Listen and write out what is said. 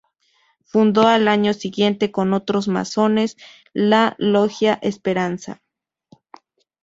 Fundó al año siguiente con otros masones la Logia Esperanza.